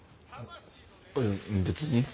あいや別に。